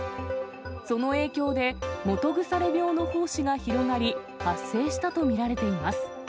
その影響で、基腐病の胞子が広がり、発生したと見られています。